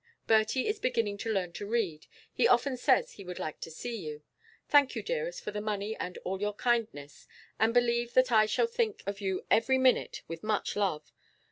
Bertie is beginning to learn to read. He often says he would like to see you. Thank you, dearest, for the money and all your kindness, and believe that I shall think of you every minute with much love.